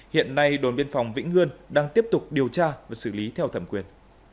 hiện nay đồn biên phòng vĩnh ngươn đang tiếp tục điều tra và xử lý theo thẩm quyền